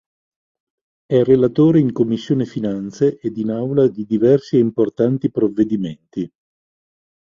È relatore in Commissione Finanze ed in Aula di diversi e importanti provvedimenti.